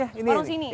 warung sini oke